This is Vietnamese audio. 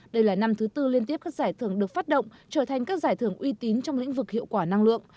đây là năm thứ tư liên tiếp các giải thưởng được phát động trở thành các giải thưởng uy tín trong lĩnh vực hiệu quả năng lượng